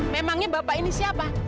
memangnya bapak ini siapa